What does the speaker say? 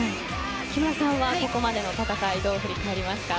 木村さんは、ここまでの戦いどう振り返りますか。